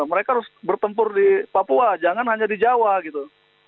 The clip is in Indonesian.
mereka harus bertempur di papua jangan hanya di jawa gitu